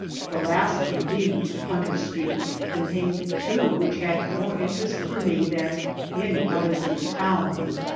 The last, indeed (Hunter Street), contained two which had more interest for me than any others in the town.